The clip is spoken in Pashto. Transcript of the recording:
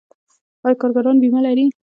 آیا کارګران بیمه لري؟